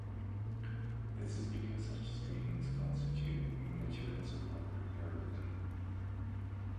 This is because such statements constitute material support for terrorism.